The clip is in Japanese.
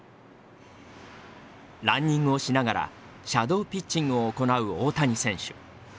ランニングをしながらシャドーピッチングを行う大谷選手。